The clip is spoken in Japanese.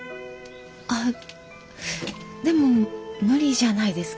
あでも無理じゃないですか？